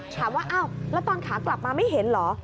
ถามว่าอ้าวแล้วตอนขากลับมาไม่เห็นเหรอ